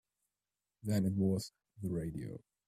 Then it was the radio.